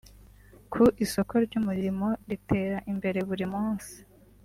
Ku isoko ry’umurimo ritera imbere buri munsi